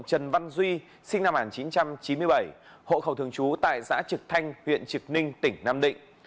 trần văn duy sinh năm một nghìn chín trăm chín mươi bảy hộ khẩu thường trú tại xã trực thanh huyện trực ninh tỉnh nam định